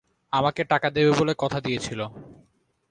আমাকে টাকা দেবে বলে কথা দিয়েছিল।